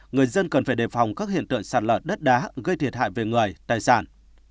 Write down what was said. người dân cần phải đề phòng các hiện tượng sạt lở đất đá gây thiệt hại về người tài sản